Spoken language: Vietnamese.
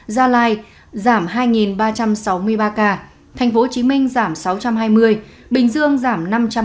gia lai giảm hai ba trăm sáu mươi ba ca tp hcm giảm sáu trăm hai mươi bình dương giảm năm trăm ba mươi ca